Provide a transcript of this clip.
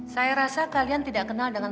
saya rasa kalian tidak kenal dengan